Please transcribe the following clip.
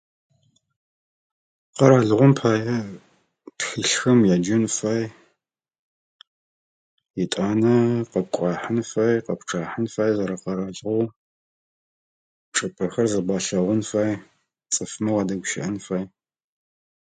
Къэралыгъом пае тхылъхэм яджэн фай. Етӏанэ къэпкӏуахьын фай, къэпчъахьын фай зэрэкъэралыгъоу. Чӏыпӏэхэр зэбгъэлъэгъун фай. Цӏыфмэ уадэгущыӏэн фай.